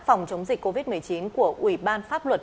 phòng chống dịch covid một mươi chín của ủy ban pháp luật